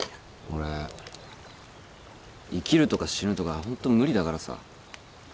俺生きるとか死ぬとかホント無理だからさ。